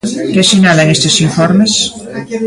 ¿Que sinalan estes informes?